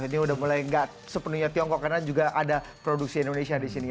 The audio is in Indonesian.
ini udah mulai nggak sepenuhnya tiongkok karena juga ada produksi indonesia di sini